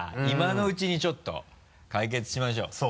今のうちにちょっと解決しましょう。